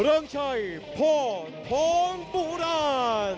เริงชัยพ่อพองบุหราน